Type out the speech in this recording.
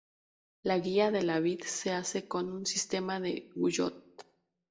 La guía de la vid se hace con un sistema de Guyot.